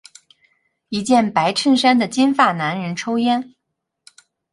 一件白衬衫的金发男人抽烟。